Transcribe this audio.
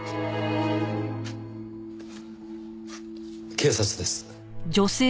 警察です。